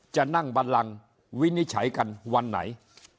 จะนั่งบันลังวินิจฉัยกันวันไหน